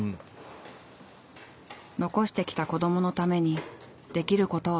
「残してきた子どものためにできることをしたい」